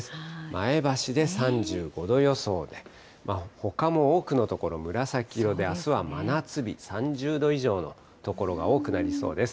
前橋で３５度予想で、ほかも多くの所、紫色で、あすは真夏日、３０度以上の所が多くなりそうです。